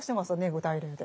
具体例で。